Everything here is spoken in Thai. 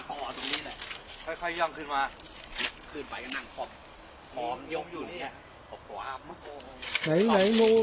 ตรงนี้แหละค่อยย่อมขึ้นมาขลี้ต้นซ้ายนั่งนางข๊อบคว้อ